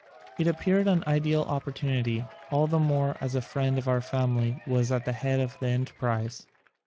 It appeared an ideal opportunity, all the more as a friend of our family was at the head of the enterprise.